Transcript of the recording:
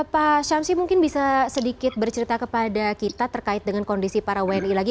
pak syamsi mungkin bisa sedikit bercerita kepada kita terkait dengan kondisi para wni lagi